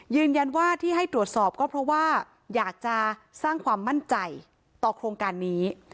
ยืนยันว่าที่ให้ตรวจสอบก็เพราะว่าอยากจะสร้างความมั่นใจต่อโครงการนี้